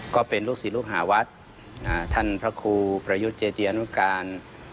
ก็เป็นลูกศิษย์ลูกหาวัดท่านพระครูประยุทธ์เจติยานุการ